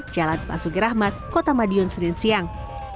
jalan pasugirahmat kota madiun senin siang